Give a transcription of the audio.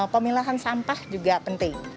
pemilahan sampah juga penting